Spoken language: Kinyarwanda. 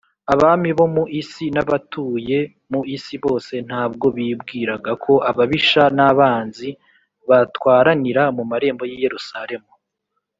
Abami bo mu isi n’abatuye mu isi bose, Ntabwo bibwiraga ko ababisha n’abanzi, Batwaranira mu marembo y’i Yerusalemu.